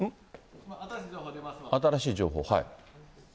新しい情報？